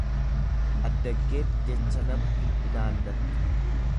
Addaggeen jecha nama hin ilaallattu.